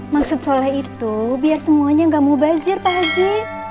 maksud soleh itu biar semuanya gak mubazir pak haji